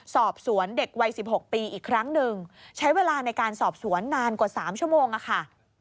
สอบสวนเด็กวัย๑๖ปีอีกครั้งหนึ่งใช้เวลาในการสอบสวนนานกว่า๓ชั่วโมงค่ะ